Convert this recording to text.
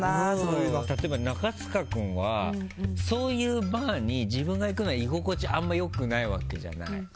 例えば、中務君はそういうバーに自分が行くのは居心地あんまり良くないわけじゃない。